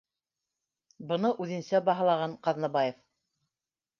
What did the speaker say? Быны үҙенсә баһалаған Ҡаҙнабаев: